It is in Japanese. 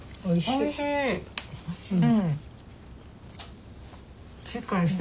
おいしいな。